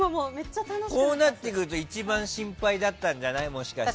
こうなってくると一番心配だったんじゃない？